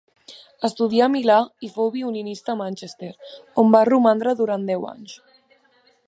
Estudià a Milà i fou violinista a Manchester, on va romandre durant deu anys.